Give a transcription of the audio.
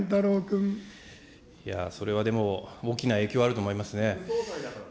それはでも、大きな影響あると思いますね。